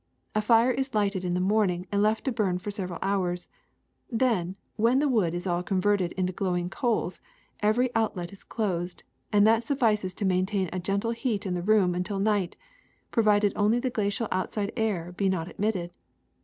A fire is lighted in the morning and left to burn for several hours; then, when the wood is all converted into glowing coals, every outlet is closed, and that suffices to maintain a gentle heat in the room until night, provided only the glacial outside air be not admitted.